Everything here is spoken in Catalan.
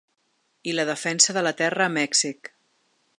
I la defensa de la terra a Mèxic.